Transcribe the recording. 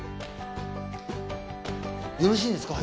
よろしいんですか？